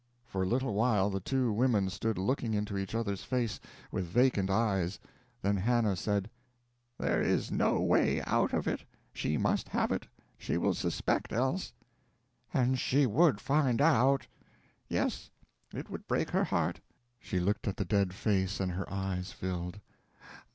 For a little while the two women stood looking into each other's face, with vacant eyes; then Hannah said: "There is no way out of it she must have it; she will suspect, else." "And she would find out." "Yes. It would break her heart." She looked at the dead face, and her eyes filled.